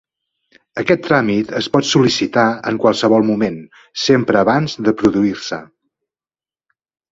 Aquest tràmit es pot sol·licitar en qualsevol moment, sempre abans de produir-se.